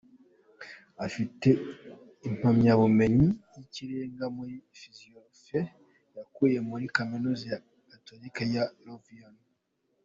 Afite impamyabumenyi y’ikirenga muri ‘philosophie’ yakuye muri Kaminuza ya Gatolika ya Louvain.